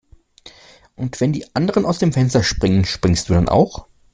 Und wenn die anderen aus dem Fenster springen, springst du dann auch?